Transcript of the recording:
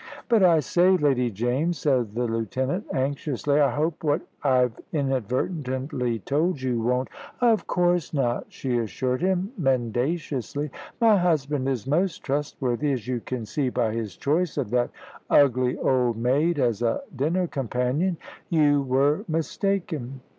"But I say, Lady James," said the lieutenant, anxiously, "I hope what I've inadvertently told you won't " "Of course not," she assured him, mendaciously; "my husband is most trustworthy, as you can see by his choice of that ugly old maid as a dinner companion. You were mistaken."